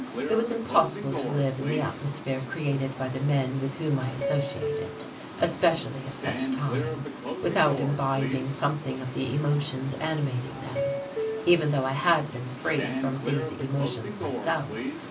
It was impossible to live in the atmosphere created by the men with whom I associated especially at such a time without imbibing something of the emotions animating them, even though I had been free from these emotions myself.